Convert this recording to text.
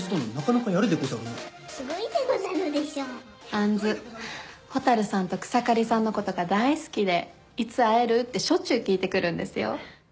杏蛍さんと草刈さんのことが大好きで「いつ会える？」ってしょっちゅう聞いてくるんですよ。